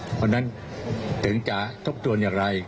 เพราะฉะนั้นถึงจะทบทวนอย่างไร